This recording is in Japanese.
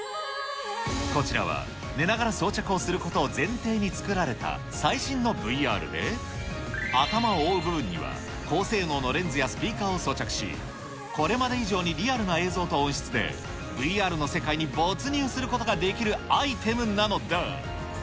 こちらは、寝ながら装着をすることを前提に作られた最新のＶＲで、頭を覆う部分には、高性能のレンズやスピーカーを装着し、これまで以上にリアルな映像と音質で、ＶＲの世界に没入することができるアイテムなのだ。